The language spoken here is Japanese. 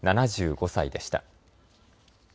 ７５歳でした。